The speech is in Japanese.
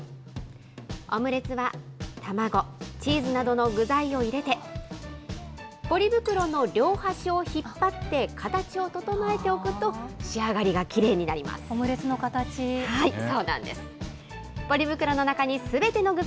オムレツは卵、チーズなどの具材を入れて、ポリ袋の両端を引っ張って形を整えておくと、仕上がりがきれいにオムレツの形。